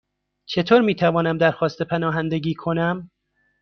چطور می توانم درخواست پناهندگی کنم؟